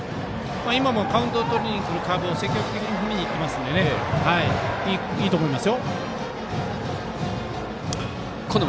カウントをとりにくるカーブを積極的に振りにいっているのでいいと思います。